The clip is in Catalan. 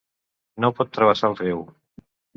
No pot travessar el riu.